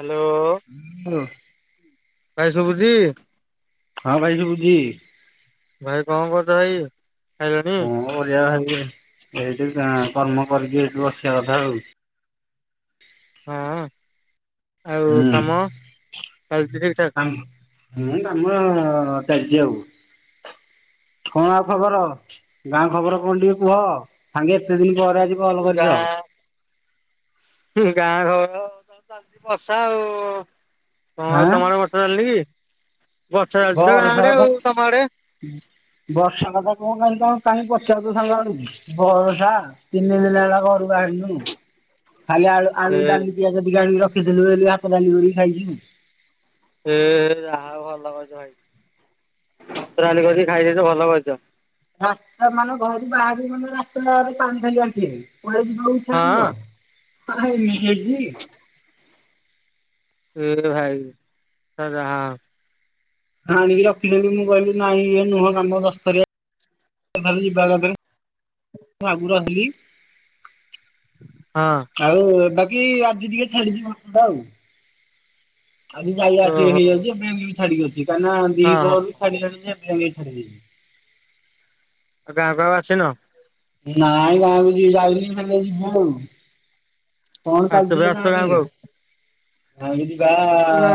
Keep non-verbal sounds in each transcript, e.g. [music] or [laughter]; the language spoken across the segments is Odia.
ହାଲୋ। ହ୍ୟାଲୋ ଭାଇ ସୁବୁଚି? ହଁ ଭାଇ ସୁବୁଚି। ଭାଇ କଣ କରୁଛ ଭାଇ ଖାଇଲଣିି? କଣ କରିବା ଭାଇ ଏଇଠି କର୍ମ କରିକି ଏଇଠି ବସିବା କଥା ଆଉ। ହଁ। ଆଉ ହୁଁ। କାମ ଚାଲିଛି ଠିକ ଠାକ [unintelligible] ହୁଁ କାମ ଚାଲିଚି ଆଉ। କଣ ଆଉ ଖବର? ଗାଁ ଖବର କଣ ଟିକେ କୁହ। ସାଙ୍ଗେ ଏତେ ଦିନ ପରେ ଆଜି କଲ କରିଚ। ଗାଁ ଗାଁ ଖବର ତ ଚାଲିଚି ବର୍ଷା ଆଉ। ତ ଆଁ ତମର। [unintelligible] ବର୍ଷା ଚାଲିଛି ଘର ସାରା ତ ତମ ଆଡେ ବର୍ଷା କଥା କଣ କାହିଁ କଣ କାହିଁକି ପଚାରୁଛ ସାଙ୍ଗ [unintelligible] ବରଷା ତିନିଦିନ ହେଲା ଘରୁ ବାହାରିନୁ। ଖାଲି ଆଳୁ ଏ ଆଳୁ ଡାଲି ପିଆଜ ଟିକେ ଆଣିକି ରଖିଥିଲୁ ବୋଲି ଭାତ ଡାଲି କରିକି ଖାଇଚୁ। ଏ ଯାହା ହଉ ଭଲ କରିଚ ଭାଇ। ଭାତ ଡାଲି କରିକି ଖାଇଦେଇଚ ଭଲ କରିଚ। ରାସ୍ତା ମାନେ ଘରୁ ବାହାରିବୁ ମାନେ ରାସ୍ତାରେ ପାଣି ଖାଲି ଆଣ୍ଟିଏ। [unintelligible] କୁଆଡ଼େ ଯିବ। ହଁ ଆ ଏମିତି ହେଇଚି? [inaudible] ଏ ଭାଇ ତ ଯାହା ଆଣିକି ରଖିଦେଲିି ମୁଁ କହିଲି ନାଇଁ ଇଏ ନୁହଁ ଆମ ଦଶସ୍ତରିଆ ଖାଲି ଯିବା କଥା। ମୁଁ ଆଗରୁ। [unintelligible] ହଁ। ଆଉ ବାକି ଆଜି ଟିକେ ଛାଡିଚି ବର୍ଷା ଟା ଆଉ। ଆଜି ଯାଇ ଆସିକି ଓହୋ ହଁ ହେଇଯାଉଛି ଆମେ ଛାଡିକି ଅଛି। କାହିଁକି ନା ହଁ ଦିପହରରୁ ଆଉ ଛାଡିଲାଣି ଯେ ଏବେ ଯାଏ ଛାଡିନି। ଆଉ ଗାଁକୁ ଆଉ ଆସିନ? ନାଇଁ ଗାଁକୁ ଯି ଯାଇନି ହେଲେ ଯିବା ଆଉ। ଆଉ କେବେ [unintelligible] ଆସୁଛ ଗାଁକୁ ଆଉ? ଆଣିଲି ବା ନା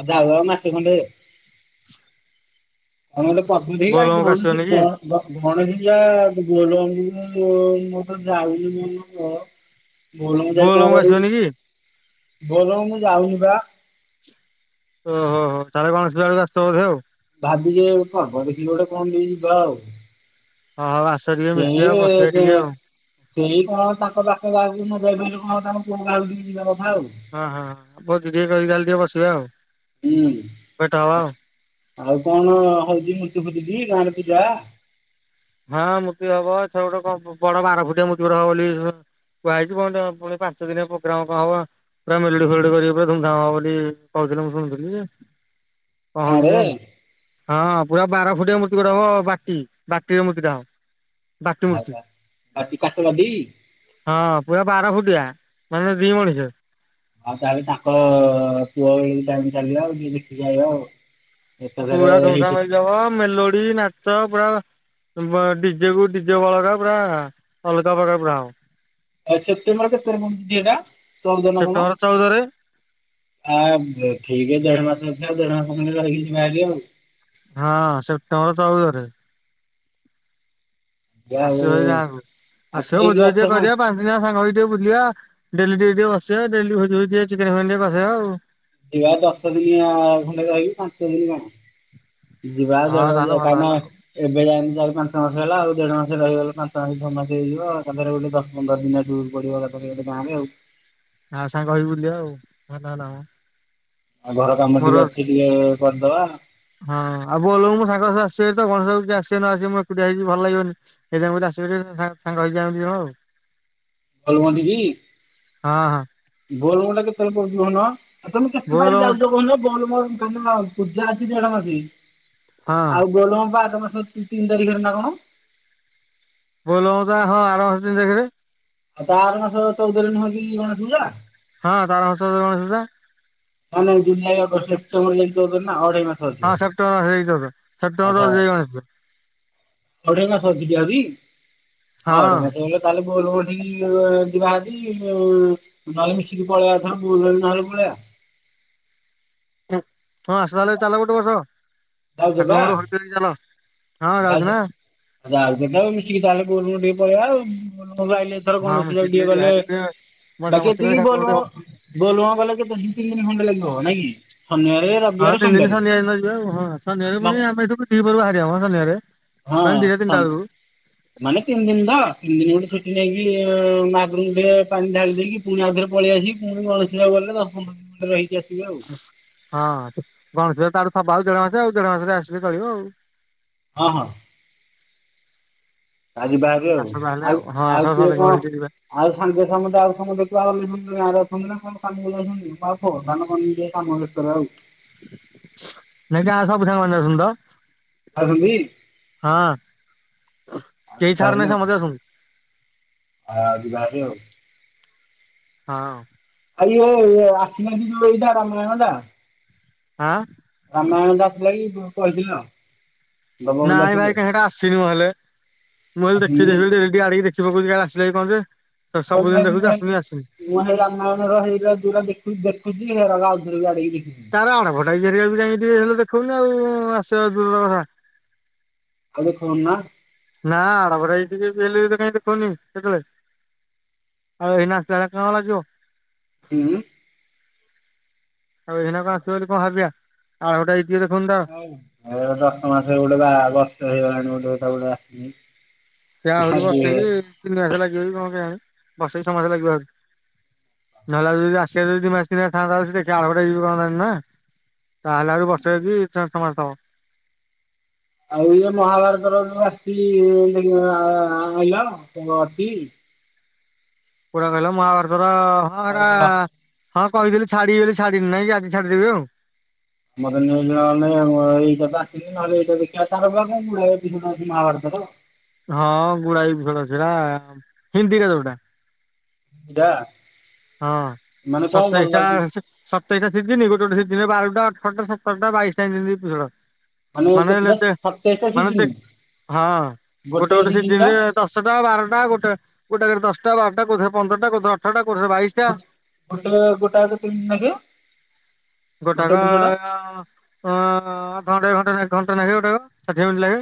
ଆ ଯାଉ ଆଉ ମାସେ ଖଣ୍ଡେ। [unintelligible] ଗଣେଶ ପୂଜା ବୋଲବମକୁ ଆସିବନି କି ବୋଲବମ [unintelligible] ମୁଁ ତ ଯାଉନି। [unintelligible] ବୋଲବମ୍ ଯାଇକି କଣ ବୋଲବମକୁ କରିବି? ଆସିବନି କି? ବୋଲବମ ମୁଁ ଯାଉନି ପା। ଓହୋ ହୋ। ତାର [unintelligible] ବେଳକୁ ଆସିଥିବ ବୋଧେ ଆଉ। ଭାବିିଚି, ଏ ପର୍ବ ଦେଖିକି ଗୋଟେ କଣ ନେଇ ଯିବା ଆଉ। ହଁ। ହଉ ଆସ ଟିକେ ସେଇ ମିଶିବା ଆଉ ବସିବା ଟିକେ ଆଉ। ସେଇ କଣ ତାଙ୍କ ପାଖରେ। [unintelligible] ହଁ ହଁଁ ହଁ। ଭୋଜି ଟିକେ କରିକି ଖାଲି ଟିକେ ବସିବା ଆଉ। ହୁଁ, ଭେଟ ହବା ଆ ଆଉ କଣ ହଉଚି ମୂର୍ତ୍ତି ଫୁର୍ତ୍ତି ଟି ଗାଁ ରେ ପୂଜା? ହଁ, ମୂର୍ତ୍ତି ହବ। ଛ ଗୋଟେ ବଡ ବାର ଫୁଟିଆ ମୂର୍ତ୍ତି ଗୋଟେ ହବ ବୋଲି କୁହାହେଇଚି। କଣ ତ ପୁଣି ପାଞ୍ଚ ଦିନିଆ ପ୍ରୋଗ୍ରାମ କଣ ହବ? ପୁରା ମେଲୋଡି ଫେଲୋଡି କରିବେ। ପୁରା ଧୁମ ଧାମ ହବ ବୋଲି କହୁଥିଲେ ମୁଁ ଶୁଣିଥିଲି। [inaudible] କଣ ହଉଚି କେଜାଣି? ହଁ, ପୁରା ବାର ଫୁଟିଆ ମୂର୍ତ୍ତି ଗୋଟେ ହବ। ବାଟି ବାଟିରେ ମୂର୍ତ୍ତି ଟା ହବ। ବାଟି ମୂର୍ତ୍ତି। ଆଚ୍ଛା, [unintelligible] କାଚ ବାଟି? ହଁ, ପୁରା ବାର ଫୁଟିଆ। ମାନେ ଦି ମଣିସେ। ଆଉ ତାହେଲେ ତାଙ୍କ ପୁଅ ଏ ଟାଇ ଚାଲିବା ଆଉ ଟିକେ ଦେଖିକି ଆଇବା ଆଉ। ଏକାଥରେ ପୁରା ହେଇଠି [unintelligible] ମେଲୋଡି, ନାଚ ପୁରା ଡିଜେକୁ ଡିଜେ ବଳକା, ପୁରା ଅଲଗା ପ୍ରକାର ପୁରା ହବ। ଏ ସେପ୍ଟେମ୍ବର କେତେରେ ପଡୁଛି ଏଇଟା? ଚଉଦ ନା କଣ? ସେପ୍ଟେମ୍ବର ଚଉଦରେ ଆ ଠିକ୍ ଦେଢ ମାସ ଅଛି। ଆଉ ଦେଢ ମାସ ଖଣ୍ଡେ ରହିିକି ଯିବା ଭାରି ଆଉ। ହଁ, ସେପ୍ଟେମ୍ବର ଚଉଦ ରେ। ଯିବା ଆଉ ଆସିବ ଭାରି ଗାଁକୁ। ଆଉ ଆସିବ କିଏ ଭୋଜି କିଏ ଫୋଜି ଅଛ ଟିକେ ସାଙ୍ଗ କରିବା। ପା ଦି ଜଣ ଆଙ୍କ ସାଙ୍ଗ ହୋଇ ଟିକେ ବୁଲିବା। ଡେଲି ଟିକେ ଟିକେ ବସିବା, ଡେଲି ଭୋଜି ଫୋଜି, ଚିକେନ୍‌ ଫିକେନ୍‌ ଟିକେ କସେଇବା ଆଉ। ଯିବା ଦଶ ଦିନିଆ ଖଣ୍ଡେ ରହିବି ପାଞ୍ଚ ଦିନି କଣ? ଯିବା ହଁ ଦେଢ ତାହେଲେ ହଜାର ଭଲ ପାଇନ ହେଲା। ଏବେ ଯାଇନି ଚାରି ପାଞ୍ଚ ମାସ ହେଲା ଆଉ ଦେଢ଼ ମାସ ରହିଗଲେ ପାଞ୍ଚ ମାସେ ଛଅ ମାସେ ହେଇଯିବ ଆ ପନ୍ଦରରେ [unintelligible] ତ ପନ୍ଦର ଦିନିଆ ଟୁର୍ ପଡିଗଲା ପରେ ଏବେ ଗାଁରେ ଆଉ। ହଁ ସାଙ୍ଗ ହେଇ ବୁଲିବା ଆଉ ହଁ ନା ନାମ। ଆଉ ଘର କାମ ଟିକେ ଅଛି ଟିକେ କରିଦବା। ହଁ ଆଉ ବୋଲ ବୋମକୁ ମୋ ସାଙ୍ଗସବୁ ଆସିବେ ତ ଗଣେଶ ପୂଜାକୁ କିଏ ଆସିବେ ନ ଆସିବେ ମୁଁ ଏକୁଟିଆ ହେଇଯିବି ଭଲ ଲାଗିବନି। ଏଇଥିପାଇଁ ମୁଁ କହିଲି ଆସିବେ ଯେ ସେ ସା ସାଙ୍ଗ ହେଇଯିବା ଆମେ ଦିଜଣ ଆଉ। ବୋଲବମ ଦେଖି ହଁ ହଁ ବୋଲବମଟା କେତେବେଳେ ପଡୁଛି କହୁନ? ଆଉ ତମେ କେତେ ପାଳି ବୋଲବମ ଯାଉଚ କୋହୁନ ବୋଲବମ୍ ତମର ପୂଜା ଅଛି ଦେଢ ମାସ। ହଁ ଆଉ ବୋଲବମ ପା ଆଗ ମାସ ତି ତିନି ତାରିଖରେ ନା କଣ? ବୋଲବମ ତା ହଁ ଆର ମାସ ତିନି ତାରିଖରେ। ଆଉ ତା ଆର ମାସ ଚୋଉଦରେ ନୁହେଁ କି ଗଣେଷ ପୂଜା? ହଁ ତାର ହସ [unintelligible] ଗଣେଷ ପୂଜା। ହଁ ନାଇ ଜୁଲାଇ ଅଗଷ୍ଟ ସେପ୍ଟେମ୍ବର ଯାଇକି ଚୋଉଦରେ ନା ଅଢେଇ ମାସ ହଁ ଅଛି। ସେପ୍ଟେମ୍ବର ମାସ ଯାଇକି ଚୋଉଦ ଆଚ୍ଛା ସେପ୍ଟେମ୍ବର ଯାଇ ଗଣେଶ ପୂଜା। ଅଢେଇ ମାସ ଅଛିିକି ଆଜି ହଁ ଅଢେଇ ମାସ ହେଲେ ତାହେଲେ ବୋଲବମ୍ ଠିକି ଯିବା ଆଜି ବୋଲ ନହେଲେ ମିଶିକି ପଳେଇବା ଏଥର ବୁଲେରେ ନହେଲେ ପଳେଇଆ। ହଁ ଆସ ତାହେଲେ ଚାଲ ଗୋଟେ ବର୍ଷ। ଯାଉଛ ପା? ଠାକୁରଙ୍କରୁ ହରିଧରିକି ଚାଲ ହଁ ଯାଉଛୁ ନା। ଯାଉଚତ ମିଶିକି ଚାଲେ ବୋଲବମ୍ ଟିକେ ପଳେଇ ଆଉ ବୋଲବମରୁ ଆଇଲେ ଏଥର ହଁ କଣ ମିଶିକି [unintelligible] ଟିଏ ଟିକେ ଯାହା ଗଲେ ଟିକେ ବାକି ମଜାମସ୍ତି କରି ଏତିକି ଠାକୁରଙ୍କୁ ବୋଲବମ ଟିକେ ବୋଲବମ୍ ଗଲେ କେତେ ଦି ତିନି ଦିନି ଖଣ୍ଟେ ଲାଗିବ ନାଇକି ଶନିବାରେ ର ହଁ ତିନି ଦିନ ଶନିବାର ଦିନ ଯିବା ଆଉ ହଁ ହଁ ଶନିବାରରେ ଫୁଣି ଆମେ ଏଠୁ ବି ଦିପହରୁ ବାହାରିବା ମ ସନ୍ଧ୍ୟାରେ। ହଁ ଅଛନ୍ତି। ମାନେ ତିନି ଦିନ ତ ତିନି ଦିନି ଗୋଟେ ଛୁଟି ନେଇକି ଇ ମହାପ୍ରଭୁଙ୍କୁ ଟିକେ ପାଣି ଢାଳି ଦେଇକି ପୁଣି ଆଉ ଥରେ ପଳେଇ ଆସିକି ପୁଣି ଗଣେଶ ପୂଜାକୁ ଗଲେ ଦଶ ପନ୍ଦର ଦିନ ଖଣ୍ଡେ ରହିକି ଆସିବା ଆଉ। ହଁ ହଁ ଗଣେଶ ପୂଜା ତାଠୁ ଥବ ଆଉ ଦେଢ ମାସ ଆଉ ଦେଢ ମାସରେ ଆସିଲେ ଚଳିବ ଆଉ। ହଁ ହଁ। କାଲି ବାହାରିବେ ଆଉ ଆସ ତାହେଲେ ଆଉ ହଁ ଆସ ଆଉ କିଏ ସମସ୍ତଙ୍କ କଣ ହେଇକି ଯିବା ଆଉ ସାଙ୍ଗେ ସାଙ୍ଗେ ତ ଆଉ ସମୁଦ୍ର ଦେଖିଆ ଆଉ ବୁଲି ଆର ଅଛନ୍ତି ନା କଣ କାମକୁ ଯାଉଛନ୍ତି [unintelligible] ଧାନ [unintelligible] କାମରେ। କରାଉ ନାଇଁ ଗାଁ ସବୁ ସାଙ୍ଗମାନେ ଅଛନ୍ତି ତ। ଯାଉଛନ୍ତି ହଁ ଆଉ କେହି ଯିବା ଛାଡନା ସମସ୍ତେ ଆସନ୍ତି। ହଁ ଯିବା ଆସି ଆଉ। ହଁ। ଆଉ ଇଏ ଆସିନେହିଁ କି କଣ ଏଇଟା ରାମାୟଣଟା? ହଁ। ରାମାୟଣଟା ଆସିଲା କି କ କହିଥିଲ। ଦବ ବୋଲି ନାଇଁ ଆସିଲେ ଭାଇ କାଇଁ ହେଟା ଆସିନିମ ହେଲେ। ମୁଁ ହେଲେ ଦେଖି ଦେ ଆସିନି [unintelligible] ଆଣିକି ଦେଖି ପକୋଉଛି କାଳେ ଆସିଲା କି କଣ ଯେ ସେ ସବୁଦିନ କହିଲି ଦେଖୁଚି ଭାଇ ଆସୁନି ଆସିନି। ମୁଁ ହେଇ ରାମାୟଣର ହେଇରା ଯୋଉରା ଦେଖୁ ଦେଖୁଚି ହେରାକୁ ଆଉଥରେ ବି ଆଡେଇକି ଦେଖୁଚି। ଆରେ ଆଡଭାଟାଇଜି ହରିକା ବି ହେଲେ ଦେଖୋଉନି ଆଉ ଆସିବା ଦୂରର କଥା। ଆଉ ଦେଖୋଉନି ନା। ନା ଆଡଭଟାଇଜ ଟିକେ ବି ହେଲେ ବି କାଇଁ ଦେଖୋଉନି କେତେବେଳେ। ଆଉ ଏଇନା ଆସିଲା ବେଳେ କଣ ଲାଗିବ। ତିନୁ ଆଉ ଏଇଖିନା କଣ ଆସିବ ବୋଲି କଣ ଭାବିବା ଆଡଭଟାଇଜ ଟିକେ ଦେଖୋଉନି ତା ଏ ଦଶ ମାସ ହେ ଗୋଟେ ବା ବର୍ଷ ହେଇଗଲାଣି ଗୋଟେ ଗୋଟେ ଆସିି। ସେ ଆହୁରି ବର୍ଷେ କି ତିନି ମାସ ଲାଗିବ ବି କଣ କେୟାଣି ବର୍ଷ କି ଛଅ ମାସ ଲାଗିବ ଆହୁରି। ନହଲେ ଯଦି ଆସିବା ଯଦି ମାସି ଥାଆନ୍ତା [inaudible] ନା ତାହେଲେ ଆହୁରୁ ବର୍ଷେ କି ଛଅଟା ମାରିଦେବ। ଆଉ ଏଇନା ମହାଭାରତର ଆସିଛି ଆଇଲ ଅଛି। କୋଉଟା କହିଲ ମହାଭାରତର ହଁ ଏରା କହିଥିଲ। ହଁ କହିଥିଲି ଛାଡିବି ବୋଲି ଛାଡିିନି ଆଜି ଛାଡିଦେବି ଆଉ। ମର ନେଇଣଲେଁ ଏଇଟା ବି ଆସିଲି ନହେଲେ ଏଇଟା ଦେଖିବା ତାର ବାଡଟା ଅଛି ମହାଭାରତର ହଁ ଗୁଡାଏ [unintelligible] ଅଛିନା, ହିନ୍ଦୀରେ ଯୋଉଟା। ଟା ହଁ ସତେଇଶଟା ସେ ସତେଇଶଟା ସିଜିନ ଗୋଟେ ଗୋଟେ ସଜିନ ବାରଟା ଅଠରଟା ସତରାଟା ବାଇସ୍ ଟା ଏମିତି ଏପିଶୋଡ। ମାନେ କେତେଟା ଲେତେ ସତେଇଶଟା ମାନେତେ ସିଜିନି। ହଁ ଗୋଟେ ଗୋଟେ ସିଜିନ୍ ଟା ସିଜିନରେ ଦଶଟା ବାରଟା ଗୋଟେ ଗୋଟେକେରେ ଦଶଟା ବାରଟା କଉଥିରେ ପନ୍ଦରଟା କୋଉଥରେ ଆଠରଟା କୋଉଥିରେ ବାଇଶ ଗୋଟେ ଗୋଟା କେ କେତେ ଦିନ ଲାଗେ? ଗୋଟେ ଗୋଟାକ ଏପିସୋଡ ଆଁ ଅଧଘଣ୍ଟା ଅଧଘଣ୍ଟା ଘଣ୍ଟା ଲାଗିବ ଗୋଟାକ ଷାଠିଏ ମିନିଟ୍ ଲାଗେ।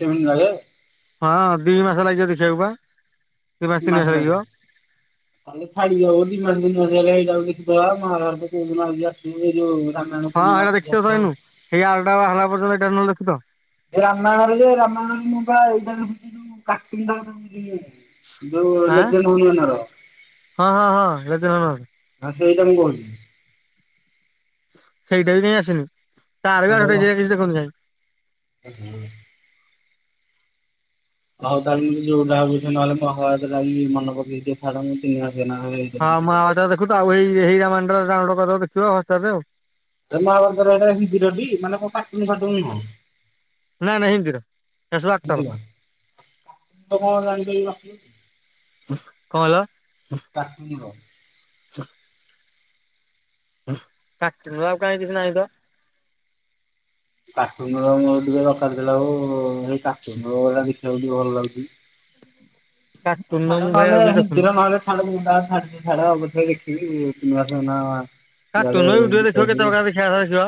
କେମିତି ଲାଗେ? ହଁ ଦି ମାସ ଲାଗିିବ ଦେଖିବାକୁ ପା। ଦି ମାସ ତିନି ମାସ ଲାଗିବ [unintelligible] ତାେ ଛାଡି ଯବ ଦିମା ଦିନ ଆସ ହେଲେ ଏଇଟାଉ କିଛି ମାହା ଘର କୋଉ ଆସିବୁ ଏଇ ଯୋଉ [inaudible] ଆଉ ସେଇ ଆରଟା ବାହାରିଲା ପର୍ଯ୍ୟନ୍ତ ଏଇଟାରେ ନହେଲେ ଦେଖୁ ତ। ଏ ରାମାୟଣରେ ଯେ ରାମାୟଣରେ ମୁଁ ପା ଏଇ ପା ଦେଖୁଚି ଏଇ ଯୋଉ କାର୍ଟୁନ [unintelligible] ଆଁ କଥା ଯୋଉ [unintelligible] ହର ହଁ ହଁ ହଁ ଲେଜେଣ୍ଡ ଅନର ହଁ ସେଇଟା ମୁଁ କହୁଛି। ସେଇଟା ବି କାଇଁ ଆସିନି ତାର ବି ସେଇଟା ଆଠଟା [unintelligible] କିଛି ଦେଖନ୍ତୁ ନାହିଁ। [unintelligible] ହଉ ତାହେଲେ ଯୋଉଟା ହଉଛି ନହେଲେ ମନେ ପକେଇକି ଟିକେ ଛାଡ଼ [inaudible] ହଁ ମୁଁ ଆଉ ଦେଖୁଥ ଆଉ ଏଇ ଏଇ ଡାଉନଲୋଡ କରିଦେବ ହସ୍ଟାରରେ ଆଉ। ମହାଭାରତର ଏଇଟା ହିନ୍ଦୀର ଟି ମାନେ କ କାଟୁନି ଫାଟୁନ? ନାଇଁ ନାଇଁ ହିନ୍ଦୀର ସେ ସବୁ ଆକ୍ଟର। ତୁମର କଣ ଜାଣି କଣ କହିଲ ପାରିବିନା [inaudible] [inaudible] କାଟୁନ ଆଉ କାଇଁ କିଛି ନାଇଁ ତ। କାଟୁନର ମୋର ଟିକେ ଦରକାର ଥିଲା ଆଉ [unintelligible] ହେଇ କାଟୁନ [unintelligible] ଦେଖିବାକୁ ଟିକେ ଭଲ ଲାଗୁଚି। ହଁ କାର୍ଟୁନ ଛାଡ ମୁଁ ଭାଇ ନହେଲେ ଆଉ କିଛି ଦେଖୁନି। ହିନ୍ଦୀର ନହେଲେ ଛାଡ ଛାଡିଲେ ଛାଡ ଦେଖିଆ ଦେଖିବି [unintelligible] ନାହିଁ ନା। କାଟୁନ ଭିଡ଼ିଓ ଦେଖ କେତେ ପକାର ଦେଖିଆ କଥା ଦେଖିବ।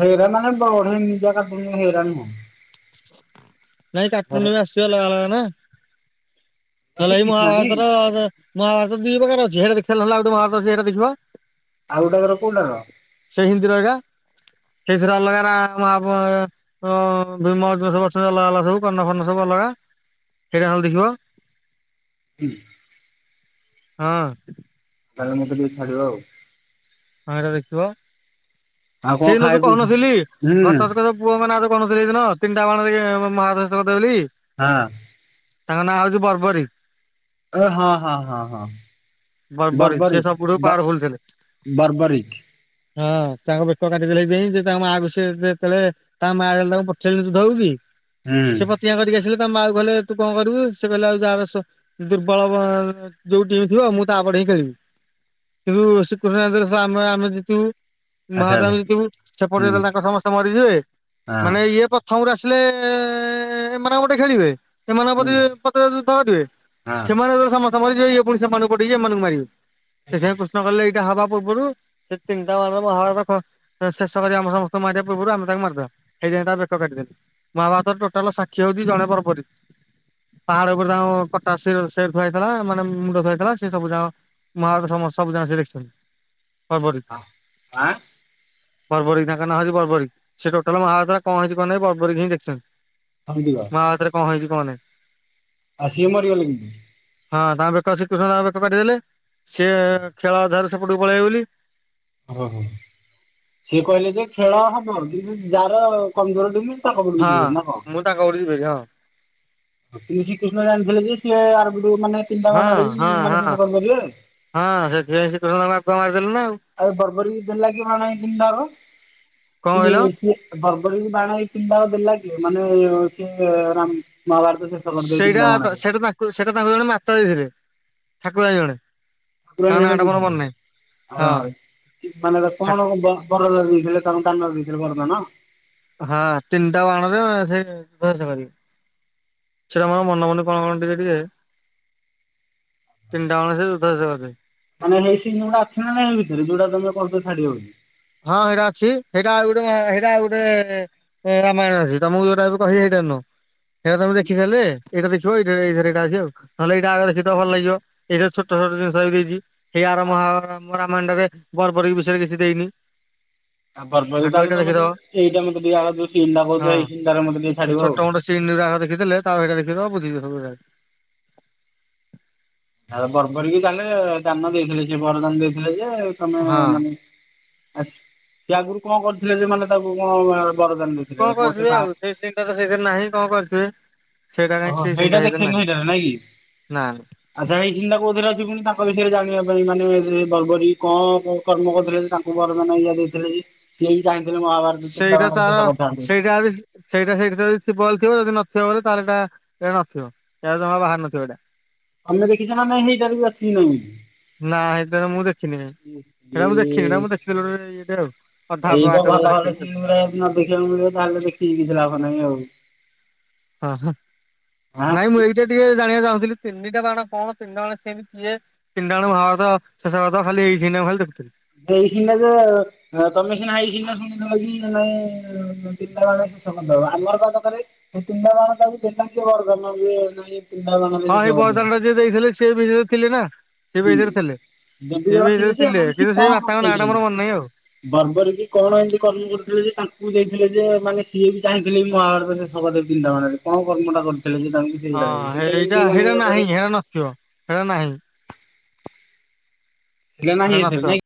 ହେଇରା ମାନେ ବଢେ ନିଜା କାଟୁନ ହେଇରା ନୁହେଁ। ନାଇଁ କାଟୁନ ବି ଅସୁଚି ଅଲଗା ଅଲଗା ନା। ନହେଲେ ଏଇ ଶ୍ରୀକ୍ରିଷ୍ଣଟି ମହାଭାରତର [unintelligible] ମହାଭାରତ ଦି ପ୍ରକାର ଅଛି ହେଇଟା ଦେଖିସାରଲେ ଗୋଟେ ମହାଭାରତ ଅଛି ସେଟା ଦେଖିବ। ଆଉ ଗୋଟା କର କୋଉଟାର? ସେ ହିନ୍ଦିର ଏକା ସେଇଥିରେ ଅଲଗାରା [unintelligible] ହଁ ଭିମ ଅର୍ଜୁନ ସବୁ ଅଛନ୍ତି ଅଲଗା ଅଲଗା ସବୁ କର୍ଣଫର୍ନ ସବୁ ଅଲଗା ସେଇଟା ହେଲେ ଦେଖିବ। ହୁଁ ହଁ। ତାହଲେ ମୋତ ଟିକେ ଛାଡ଼ିବ ଆଉ। ହଁ [unintelligible] ଦେଖିବ ଆଉ କ'ଣ ସେଇଦିନ ଯୋଉ ଖାଇବା ପିଇବା କହୁନଥିଲି ଘଟୋତ୍କଚ ପୁଅ ମାନଙ୍କ କଥା ଯୋଉ କହୁନଥିଲି ହେଈ ଦିନ ତିନିଟା ବାଣରେ କି ମହାଭାରତ ଶେଷ କରିଦେଵେ ବୋଲି। ହଁ। ତାଙ୍କ ନାଁ ହଉଚି ବର୍ବରୀ। ଏ ହଁ ହଁ ହଁ ହଁ ସିଏ ବର୍ବରୀ ସବୁଠୁ ବ ପାୱାରଫୁଲ ଥିଲେ। ବର୍ବରିକ୍। ହଁ ତାଙ୍କ ବେକ କାଟି ଦେଲେ ସେଦ ପାଇଁ ସେ ତାଙ୍କ ମାଆ କୁ ସେ ଯେତେଳେ ତା ମାଆ ଯେତେଳେ ତାଙ୍କୁ ପଚାରିଲେ ତୁ ଦବୁକି? ହୁଁ। ତିଆଁ କରିକି ଆସିଲେ ତା ମା କୁ କହିଲେ ତୁ କଣ କରିବୁ ସେ କହିଲା ଆଉ ଯାରାସ ଦୁର୍ବଳବ ବ ଯୋଉ ଟିମ୍ ଥିବ ମୁଁ ତାପଟ ହିଁ ଖେଳିମି କିନ୍ତୁ କୃଷ୍ଣ [unintelligible] ଆମେ ଆମେ ଜିତିବୁ। ମାଆ ଆଚ୍ଛା ଆଚ୍ଛା ଜାଣିଥିବୁ ସେପଟେ ହୁଁ ଯେତେଲେ ତାଙ୍କ ସମସ୍ତ ମରିଯିବେ ହଁ ମାନେ ଇଏ ପ ଥମରୁ ଆସିଲେ ଏମାନଙ୍କ ପଟେ ଖେଳିବେ। ଏମାନଙ୍କ ହୁଁ ପ୍ରତି ପତି ଯୁଦ୍ଧ କରିବେ ହଁ ସେମାନେ ଯେତେବେଳେ ସମସ୍ତେ ମରି ଜିବେ ଇଏ ପୁଣି ସେମାନଙ୍କୁ ପଠେଇକି ଏମାନଙ୍କୁ ମାରିବେ। ସେଥିପାଇଁ କୃଷ୍ଣ କଲେ ଏଇଟା ହବା ପୂର୍ବରୁ ସେ ତିନିଟା ପାଦ ବାହାରେ ରଖ। ଶେଷ କରି ଆମ ସମସ୍ତଙ୍କୁ ମାରିବା ପୂର୍ବରୁ ଆମେ ତାକୁ ମାରଦେବା ହେଇଥି ପାଇଁ ତା ବେକ କାଟିଦେଲେ। ମାହାଭାତର ଟୋଟାଲ ସାକ୍ଷୀ ହେଉଚି ଜଣେ ବର୍ବରୀ। ପାହାଡ ଉପରେ ତାଙ୍କ କଟା ଶିର ସେଟି ଥୁଆହେଇଥିଲା ମାନେ ମୁଣ୍ଡ ଥୁଆହେଇଥିଲା ସେ ସବୁ ଯାଙ୍କ ମହାଭାରତ ସମ ସବୁ ଜାଙ୍କ ସିଏ ଦେଖିଚନ୍ତି ବର୍ବରୀ। ଆଁ ବର୍ବରୀ ତାଙ୍କ ନାଁଉଛି ବର୍ବରୀ ସିଏ ଟୋଟାଲ ମହାଭାରତ କଣହେଇଛି କଣ ନାହିଁ ବର୍ବରୀ ହିଁ ଦେଖିଛନ୍ତି। ଥଲୀଅ। ମହାଭାରତରେ କଣ ହେଇଚି କଣନାଇ? ଆଉ ସିଏ ମାରିଗଲେ କେମତି? ହଁ ତାଙ୍କ ବେକ ଶ୍ରୀକୃଷ୍ଣ ତାଙ୍କ ବେକ କାଟିଦେଲେ ସିଏ ଖେଳଅଧାରେ ସେପଟକୁ ପଳେଇବେ ବୋଲି। ଓ ହୋ, ସିଏ କହିଲେ ଯେ ଖେଳ ହବ କିଂତୁ ଯାର କମଜୋର ଟିମ ହଁ ମୁଁ ତାଙ୍କ ପଟିକି [unintelligible] ହଁ। ଶ୍ରୀକୃଷ୍ଣ ଜାଣିଥିଲେ ଯେ ସିଏ ଆରୁ ମାନେ ତିନତା ହଁ ମାରେ ବି ହଁ ହଁ ମାନେଠନ କରିବେ ଆଉ। ହଁ ସେଥିପାଇଁ ଶ୍ରୀକୃଷ୍ଣଙ୍କ ତାଙ୍କୁ ଆଗୁଆ ମାରିଦେଲେ ନା ଆଉ। ଆଉ ବର୍ବରି ଦେଲା କି [unintelligible] କଣ କି କହିଲ? ସିଏ ବର୍ବରୀ କି ବାଣ ଏଇ ତିନିଟାଙ୍କ ଦେଲା କି ମାନେ ସିଏ ରା ମହାଭାରତ ଶେଷ କରିଦିଅ ଏଇ ତିନିଟା ବାଣ ରେ। କୋ ସେଟା ତାଙ୍କୁ ଜଣେ ମାତା ଦେଇଥିଲେ ଠାକୁରାଣି ଜଣେ। ତାଙ୍କ ଠକୁରାଣି ନାଁ ଜଣେ ଟା ମୋର ଦେଇଥିଲେ, ମନେ ନାହିଁ ହଁ। ମାନେ ଏ ଠା କଣ ବ ବରଦ ଦେଇଥିଲେ ତାଙ୍କୁ କାନରେ ଦେଇଥିଲେ ବରଦାନ? ହଁ ତିନିଟା ବାଣରେ ସେ ଧ୍ବଂସ କରିବେ। ସେଟା ମୋର ମନପଣୁନି କଣ କଣ ଟିକେ ଟିକେ? ତିନିଟା ବାଣରେ ସେ ଯୁଦ୍ଧ ଶେଷ କରିଦେବେ। ମାନେ ହେଇ ସି ଗୁଡ ଅଛି ନାଇ ଭିତରେ ଯୋଉଟା ତମେ କରୁଛ ଛାଡିବ ବୋଲି? ହଁ ସେଇଟା ଅଛି ସେଇଟା ଗୋଟେ ହେଟା ଗୋଟେ ଏ ରାମାୟଣ ଅସି ତମକୁ ଯୋଉଟା କହି ସେଇଟାନୁଅ ସେଇଟା ତମେ ଦେଖି ସାରିଲେ ଏଇଟା ଦେଖିବ ଏଇଟା ଏଇ ଏଇଟା ଅଛି ଆଉ, ନହେଲେ ଏଇଟା ଆଗରେ ଦେଖିତ ଭଲ ଲାଗିବ ଏଇଥିରେ ଛୋଟ ଛୋଟ ଜିନିଷ ବି ଦେଇଛି। ସେଇଆର ମହାମ ରାମଣ୍ଡରେ ବରବର ବିଷୟରେ କିଛି ଦେଇନି। ଆଉର୍ବ ଆଗ ଏଇଟା ତାହଲେ ମୋତେ ଦେଖିଦବ ଏଇଟ ମତେ ଟେ ଆ ଯୋ ସିନ୍ କହୁଛ ଏଇ ସିନ ମତେ ଟେ ଛାଡିବ ଆଉ। ତିନି ରାଗ ଦେଖିଦେଲେ ତାପରେ ହେଟା ଦେଖି ଦବ ବୁଝିଯିବ ସବୁ ଏକରେ। ହେ ବର୍ବରୀ କି ତାହେଲେ ଦାନ ଦେଇଥିଲେ ସେ ବରଦାନ ଦେଇଥିଲେ ଯେ ତମେ ହଁ। ମାନେ ଆ ସେ ଆଗରୁ କଣ କରିଥିଲେ ଯେ ମାନେ ତାକୁ କଣ ବରଦାନ ଦେ କଣ କରଥିବେ ଆଉ ସେଇ ସିନ୍ ତ ସେଇଥିରେ ନାହିଁ କଣ କରିଥିବେ? ସେଇଟା କାଇହିଁ ଓହୋ ସେ ସିନ ସେଇଟା ଟା ହେଥିରେ ଦେଖେନି ନାଇ, ସେଇଟାରେ ନାଇଁ କି ନାଁ ନାଁ। ଆଚ୍ଛା ଏଇ ସିନ ଟା କୋଉଥିରେ ଅଛି ପୁଣି ତାଙ୍କ ବିଷୟରେ ଜାଣିବା ପାଇଁ ମାନେ ବର୍ବରୀ କଣ କ କର୍ମ କରୁଥିଲେ ଯେ ତାଙ୍କୁ ବରଦାନ ଇଆ ଦେଇଥିଲେ ଯେ। ସିଏ ହିଁ ଚାହିଁଥିଲେ ମହାଭା ସେଇଟା ତାର ସେଇଟା ବିସି ସେଇଟା ସେଇଠି ଯଦ ଥିବ ଥିବ ଯଦି ନଥିବ ବୋ ତାହେଲେ ଏଟା ଏଇଟା ନଥିବ ଏ ଜ ବାହାର ନଥିବ ଏଇଟା। ଆମେ ଦେଖିଛେ ନା ନାଇଁ ହେଇଟାର ବି ଅଛି କି ନାଇଁ ବୋଲି? ନା ହେଟରେ ମୁଁ ଦେଖିନି। ଏଇଟା ମୁଁ ଦେଖିନି ନା ଇସି ମୁଁ ଦେଖଥିଲି ଗୋଟ ଏଇଟ ଆ ଅଧା ଏଇ ତ ଆ ଭଲ ଗୋଟେ ଭଲ ଆଉ ସିନ୍ ଗୁରା ଯଦି ନ ଦେଖିବାକୁ ମିଳିବ ତାହେଲେ ଦେଖିକି କିଛି ଲାଭ ନାହିଁ ଆଉ ଓ ହଁ ଆଁ ନାଇଁ ମୁ ଏଇଟା ଟିକେ ଜାଣିବାକୁ ଚାଁହୁଥିଲି ତିନିଟା ବାଣ କଣ ତିନିଟା ବାଣ କେମିତି ହୁଏ ତିନିଟା ବାଣ ମହାଭାରତ ସସାରତା ଖାଲି ଏଇ ସିନ ଟା ଖାଲି ଦେଖୁଥିଲି ସେଇ ସିନ ଟା ତମେ ସିନା ହୋଇ ସିନା ଶୁଣିଦବ କି ନାଇଁ ପିଲାବେଳ ଶେଷ କରିଦବ ଆମର କଣ ଦରକାର ସେ ତିନିଟା କାର ତାକୁ ଦୋ କିଏ କରିଦମା ନାଇଁ ତିନିଟା ବାଣରେ ହଁ ଶେଷ ସେଇ ବରଦାନ କରିଦେବେ। ଟା ଯିଏ ଦେଇଥିଲେ ସିଏ ବିରେ ଥିଲେ ନା ସିଏ ବି ହୁଁ ଏଥିରେ ଥିଲେ ଯଦି ସିଏ ଜଣ ବି ଏଥିରେ ଯେ ଥିଲେ ମାନେ ସିଏ କିନ୍ତୁ କଣ ସେଇ ମାତାଙ୍କ କରୁଥିଲେ? ନାଁଟା ମୋର ମନେ ନାହିଁ ଆଉ ବର୍ବରୀ କି କଣ ଏମିତି କର୍ମ କରୁଥିଲେ ଯେ ତାଙ୍କୁ ଦେଇଥିଲେ ଯେ ମାନେ ସିଏ ବି ଚାହିଁଥିଲେ ମହାଭାରତ ଶେଷ ସ ଦେବ ତାରେ କଣ କର୍ମଟା କରିଥିଲେ ଯେ ତାଙ୍କୁ ସେଇଟା ହଁ ଦେବେ ସେଇଟା ବି ଟିକେ ହେଇଟା ଜାଣିବା ହେଇଟା ଦରକାର। ନାହିଁ ହେରା ନଥିବ ହେରା ନାହିଁ ହେ ହେଇଟା ନାହିଁ ଏଥିରେ ନଥିବ। ନାଇଁ